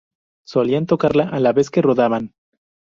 Solían tocarla a la vez que rodaban.